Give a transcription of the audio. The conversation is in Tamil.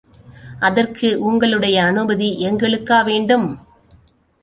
அதற்கு உங்களுடைய அனுமதி எங்களுக்கா வேண்டும்?